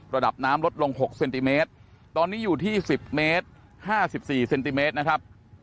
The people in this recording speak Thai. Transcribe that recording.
ระดับน้ำลดลง๖เซนติเมตรตอนนี้อยู่ที่๑๐เมตร๕๔เซนติเมตรนะครับ